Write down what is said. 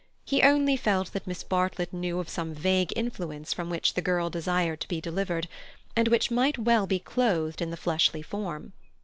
He only felt that Miss Bartlett knew of some vague influence from which the girl desired to be delivered, and which might well be clothed in the fleshly form.